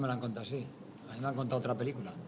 provocation apa yang anda pikirkan